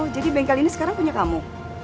oh jadi bengkel ini sekarang punya kamu